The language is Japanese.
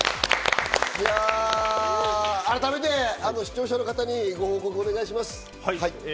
改めて視聴者の方にご報告をお願いします。